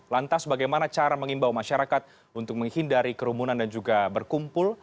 lantas bagaimana cara mengimbau masyarakat untuk menghindari kerumunan dan juga berkumpul